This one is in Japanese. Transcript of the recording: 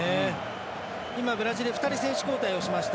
ブラジル２人選手交代をしました。